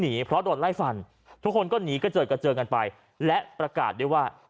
นี้พอโดนไล่ฟันคนก็หนีกระเจิดกระเจองันไปและประกาศรว่า